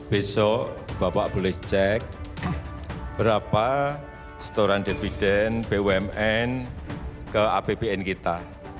besok bapak boleh cek berapa setoran dividen bumn ke apbn kita